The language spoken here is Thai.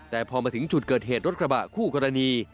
แต่พอมาถึงจุดเกิดเหตุรถกระบะคู่กรณี